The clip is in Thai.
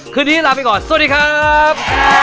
คืนนี้ลาไปก่อนสวัสดีครับ